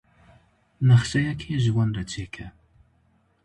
Nexşeyekê ji wan re çêke.